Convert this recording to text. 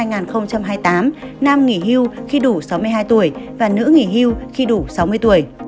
nam nghỉ hưu khi đủ sáu mươi hai tuổi và nữ nghỉ hưu khi đủ sáu mươi tuổi